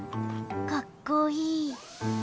かっこいい。